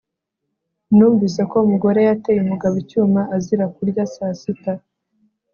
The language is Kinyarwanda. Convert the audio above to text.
Numvise ko umugore yateye umugabo icyuma azira kurya saa sita